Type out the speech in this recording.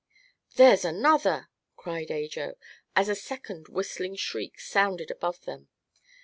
"There's another!" cried Ajo, as a second whistling shriek sounded above them.